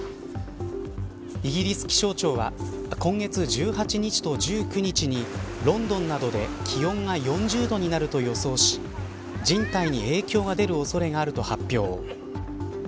イギリス気象庁は今月１８日と１９日にロンドンなどで気温が４０度になると予想し人体に影響が出る恐れがあると発表。